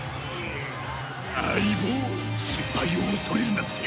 相棒失敗を恐れるなって。